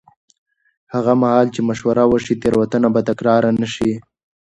هغه مهال چې مشوره وشي، تېروتنه به تکرار نه شي.